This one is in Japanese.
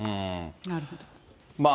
なるほど。